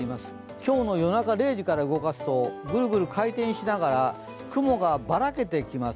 今日の夜中０時から動かすとぐるぐる回転しながら雲がばらけてきます。